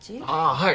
はい。